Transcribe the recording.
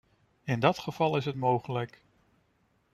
In dat geval is het mogelijk.